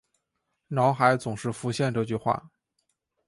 脑海总是浮现这句话